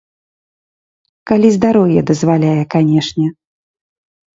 Калі здароўе дазваляе, канешне.